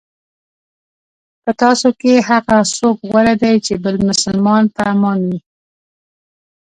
په تاسو کې هغه څوک غوره دی چې بل مسلمان په امان وي.